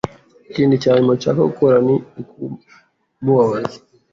Ikintu cya nyuma nshaka gukora ni ukumubabaza.